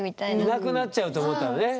いなくなっちゃうと思ったんだね。